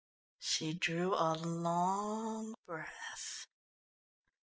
She drew a long breath.